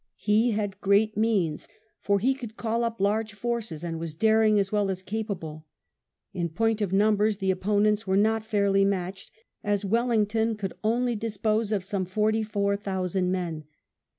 He had great means, for he could call up large forces, and was daring as well as capable. In point of numbers the opponents were not fairly matched, as Wellington could only dispose of some forty four thousand men.